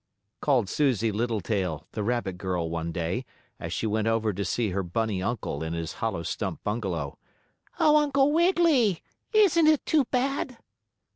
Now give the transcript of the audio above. called Susie Littletail, the rabbit girl, one day, as she went over to see her bunny uncle in his hollow stump bungalow. "Oh, Uncle Wiggily! Isn't it too bad?"